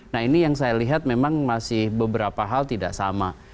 nah ini yang saya lihat memang masih beberapa hal tidak sama